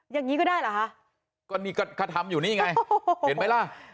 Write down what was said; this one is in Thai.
อย่างนี้ก็ได้เหรอคะก็นี่ก็ถ้าทำอยู่นี่ไงเห็นไหมล่ะ